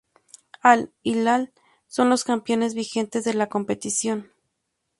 Al-Hilal son los campeones vigentes de la competición.